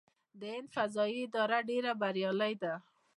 د هند فضايي اداره ډیره بریالۍ ده.